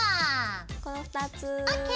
この２つ。